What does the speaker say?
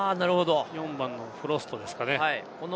４番のフロストですかね。